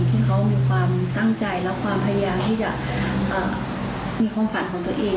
ที่เขามีความตั้งใจและความพยายามที่จะมีความฝันของตัวเอง